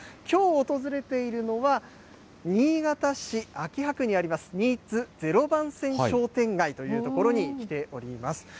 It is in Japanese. きょう訪れているのは、新潟市秋葉区にありますにいつ０番線商店街という所に来ております。